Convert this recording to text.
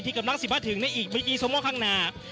ที่กำลังสิบหัวถึงในอีกบินอีสม่อข้างหน้า